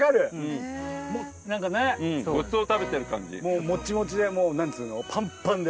もうモチモチで何つうのパンパンで。